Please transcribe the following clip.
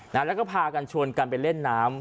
แล้วก็พากันชวนกันไปเล่นน้ำ